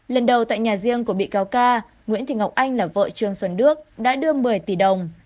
lần đầu tại nhà riêng của bị cáo ca nguyễn thị ngọc anh là vợ trương xuân đức đã đưa một mươi tỷ đồng